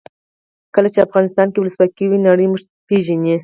کله چې افغانستان کې ولسواکي وي نړۍ موږ پېژني.